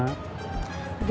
begitu saya suka